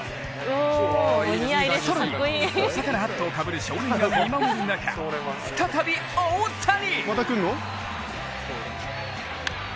更に、お魚ハットをかぶる少年が見守る中、再び、大谷！